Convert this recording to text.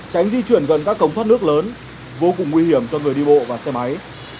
tránh di chuyển gần các cống thoát nước lớn vô cùng nguy hiểm cho người đi bộ và xe máy